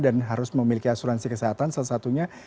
dan harus memiliki asuransi kesehatan salah satunya